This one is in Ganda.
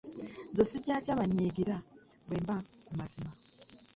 Nze ssikyatya bannyiigira bwe mba ku mazima.